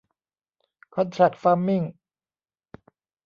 คอนแทร็กฟาร์มมิ่ง